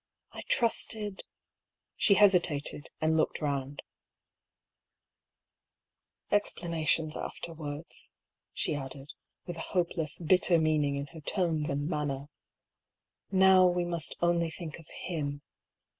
" I trusted " She hesitated, and looked round. 94 DR. PAULL'S THEORY. " Explanations afterwards," she added, with a hopeless, bitter meaning in her tones and manner. "KTow we must only think of him.